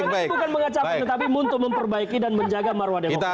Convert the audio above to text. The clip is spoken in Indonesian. bukan mengacaukan tapi untuk memperbaiki dan menjaga marwah demokrasi